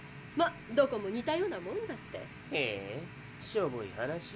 まどこも似たようなもんだって。へしょぼい話。